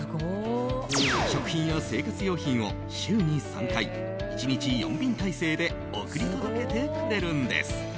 食品や生活用品を週に３回、１日４便体制で送り届けてくれるんです。